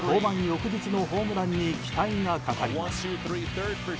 翌日のホームランに期待がかかります。